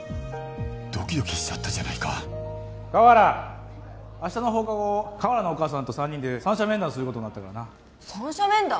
ドキドキしちゃったじゃないか川原明日の放課後川原のお母さんと３人で三者面談することになったからな三者面談！？